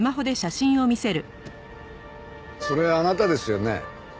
それあなたですよね？